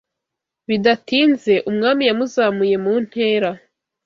Bidatinze, umwami yamuzamuye mu ntera